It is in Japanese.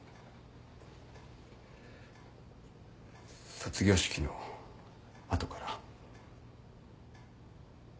卒業式の後から。